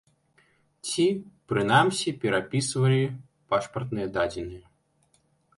Ці, прынамсі, перапісвалі пашпартныя дадзеныя.